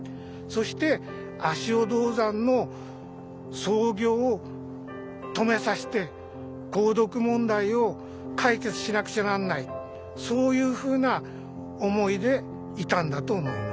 そして足尾銅山の操業を止めさせて鉱毒問題を解決しなくちゃなんないそういうふうな思いでいたんだと思います。